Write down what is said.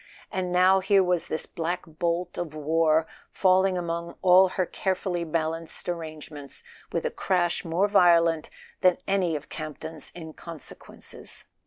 And now here was this black bolt of war falling among all her care¬ fully balanced arrangements with a crash more violent than any of Campton's inconsequences!